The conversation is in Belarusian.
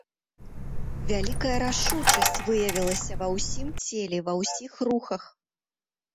Вялікая рашучасць выявілася ва ўсім целе, ва ўсіх рухах.